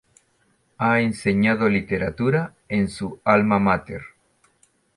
Ha enseñado literatura en su "alma máter".